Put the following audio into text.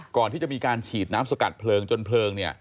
ก่อนที่จะมีการฉีดน้ำสกัดเพลิงจนเพลิงเนี่ย